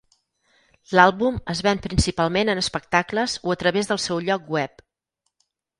L'àlbum es ven principalment en espectacles o a través del seu lloc web.